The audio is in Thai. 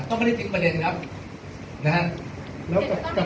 ต้องไปทิ้งประเด็นนะครับนะฮะแล้วกับเจ้าของตึกอ่ะครับ